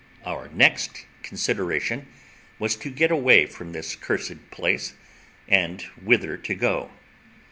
Our next consideration was to get away from this cursed place, and whither to go.